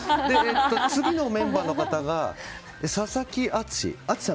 次のメンバーの方が佐々木淳さん。